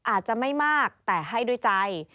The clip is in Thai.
อาจจะไม่มากแต่ให้ด้วยใจ